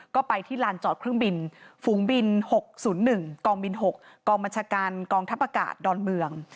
ก็ไปที่ลานจอดเครื่องบินฝูงบิน๖๐๑กองบิน๖กองบัญชาการกองทัพอากาศดอนเมือง